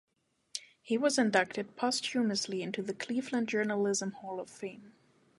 He was inducted posthumously into the Cleveland journalism hall of fame.